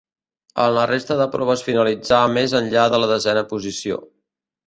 En la resta de proves finalitzà més enllà de la desena posició.